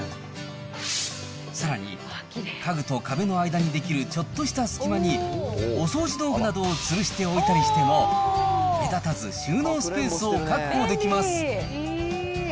さらに、家具と壁の間に出来るちょっとした隙間に、お掃除道具などをつるしておいたりしても、目立たず収納スペースを確保できます。